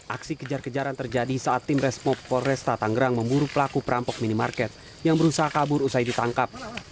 aksi kejar kejaran terjadi saat tim resmob polresta tanggerang memburu pelaku perampok minimarket yang berusaha kabur usai ditangkap